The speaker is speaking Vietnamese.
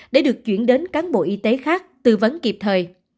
để được chuyển đến cán bộ y tế khác tư vấn kịp thời